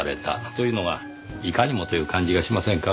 というのがいかにもという感じがしませんか？